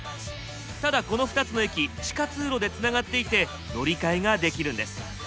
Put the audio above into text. ただこの２つの駅地下通路でつながっていて乗り換えができるんです。